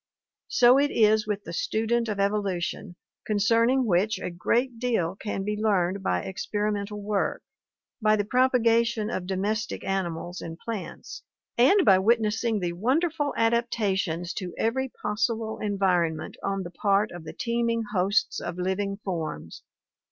So it is with the student of evolution, concerning which a great deal can be learned by experimental work, by the propagation of domestic animals and plants, and by witnessing the wonderful adaptations to every possible environment on the part of the teem ing hosts of living forms.